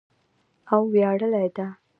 او ویاړلې ده.